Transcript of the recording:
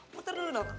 muter dulu dong